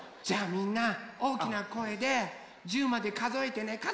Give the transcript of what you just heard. じゃあみんなおおきなこえで１０までかぞえてね。